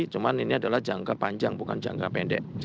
cuma ini adalah jangka panjang bukan jangka pendek